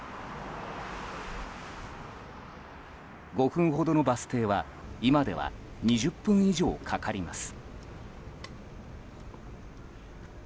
５分ほどのバス停は今では２０分以上かかります。